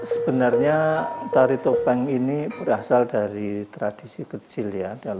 sebenarnya tari topeng ini berasal dari tradisi kecil ya